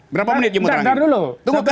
berapa menit jimur ranggit